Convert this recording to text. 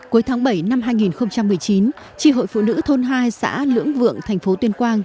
cuối tháng bảy năm hai nghìn một mươi chín tri hội phụ nữ thôn hai xã lưỡng vượng thành phố tuyên quang